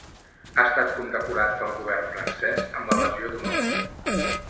Ha estat condecorat pel govern francès amb la Legió d'Honor.